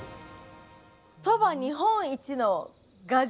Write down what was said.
「そば日本一の牙城」。